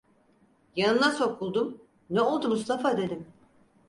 Yanına sokuldum: "Ne oldu Mustafa?" dedim.